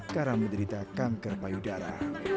karena menderita kanker payudara